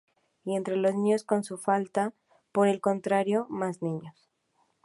Y entre los niños con su falta, por el contrario, más niños.